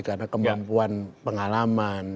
karena kemampuan pengalaman